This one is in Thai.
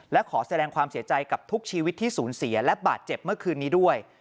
และขอแสดงความเสียใจกับทุกชีวิตที่สูญเสียและบาดเจ็บเมื่อคืนนี้ด้วย